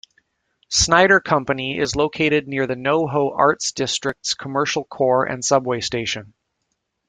Snyder Company, is located near the NoHo Arts District's commercial core and subway station.